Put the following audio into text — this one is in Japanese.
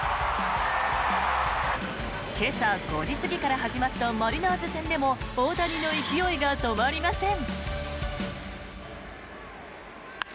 今朝５時過ぎから始まったマリナーズ戦でも大谷の勢いが止まりません。